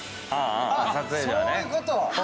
あっそういうこと！